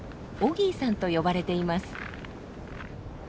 オギーさんと呼ばれています。